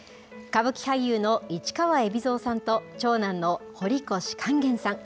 歌舞伎俳優の市川海老蔵さんと長男の堀越勸玄さん。